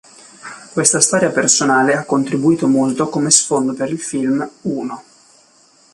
Questa storia personale ha contribuito molto come sfondo per il film "Uno".